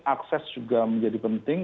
akses juga menjadi penting